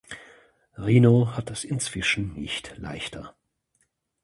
Rhino hat es inzwischen nicht leichter.